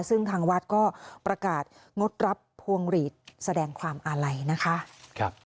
ซึ่งทางวัดก็ประกาศงดรับพวงหลีดแสดงความอาลัยนะคะ